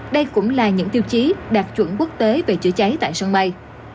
đây cũng là những tiêu chí đạt chuẩn quốc tế về chữa cháy tại sân bay